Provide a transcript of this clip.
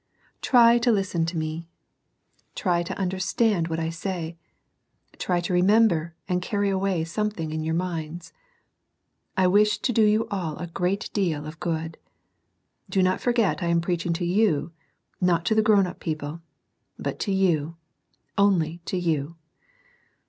Try to listen to me; try to understand what I say; try to remember and carry away something in your minds. I wish to do you all a great deal of good. Do not forget I am preaching to you, — ^not to the grown up people, — ^but to you, only to you.